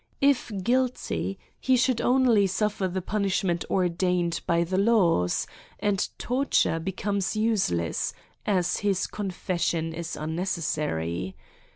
If guilty, he should only suffer the punish^ ment ordained by the laws, and torture becomes useless, as his confession is unnecessary.